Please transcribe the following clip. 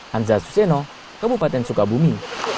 hanzah suseno kabupaten sukabumi